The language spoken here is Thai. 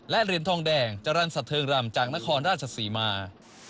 และเหรียญทองแดงจรรย์สัตเทิงรำจากนครราชศรีมา